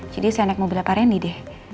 jadi saya naik mobilnya pak rendy deh